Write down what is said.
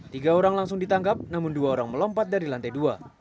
tiga orang langsung ditangkap namun dua orang melompat dari lantai dua